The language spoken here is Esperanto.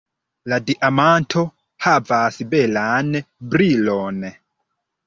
La diamanto havas belan brilon.